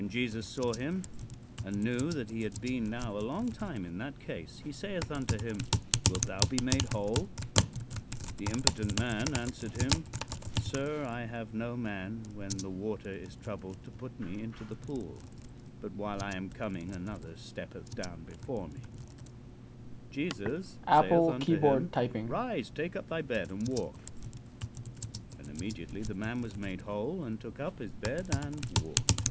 "When Jesus saw him he and knew that he had been now a long time in that case, he saith unto him: 'Wilt thou be made whole??' "The impotent man answered him: 'Sir, I have no man when the water is troubled to put me into the pool; but while I am coming another steppeth down before me.' "Jesus saith unto him: 'Rise, take up thy bed and walk.' "And immediately the man was made whole and took up his bed and walked."